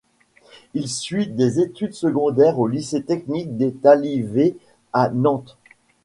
Il suit des études secondaires au lycée technique d'État Livet à Nantes.